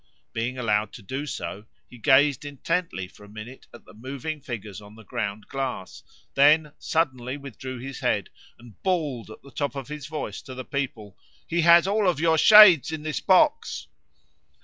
Being allowed to do so, he gazed intently for a minute at the moving figures on the ground glass, then suddenly withdrew his head and bawled at the top of his voice to the people, "He has all of your shades in this box."